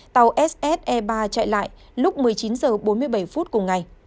tàu sse ba chạy lại lúc một mươi chín h bốn mươi bảy cùng ngày